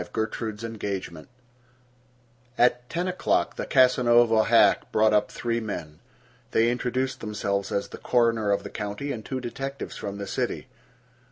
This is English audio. GERTRUDE'S ENGAGEMENT At ten o'clock the Casanova hack brought up three men. They introduced themselves as the coroner of the county and two detectives from the city.